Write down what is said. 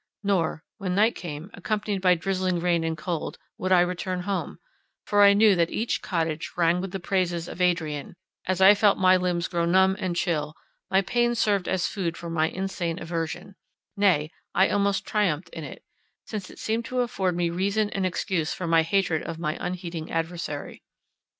Nor, when night came, accompanied by drizzling rain and cold, would I return home; for I knew that each cottage rang with the praises of Adrian; as I felt my limbs grow numb and chill, my pain served as food for my insane aversion; nay, I almost triumphed in it, since it seemed to afford me reason and excuse for my hatred of my unheeding adversary.